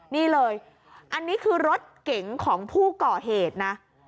นี่เลยอันนี้คือรถเก๋งของผู้ก่อเหตุนะ